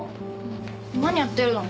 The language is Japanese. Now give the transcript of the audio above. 何やってるの？